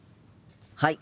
はい。